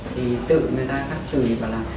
thì tự người ta phát chửi và là